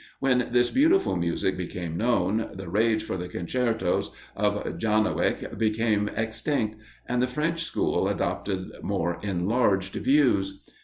When this beautiful music became known, the rage for the concertos of Jarnowick became extinct, and the French school adopted more enlarged views.